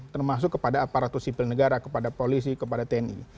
termasuk kepada aparatur sipil negara kepada polisi kepada tni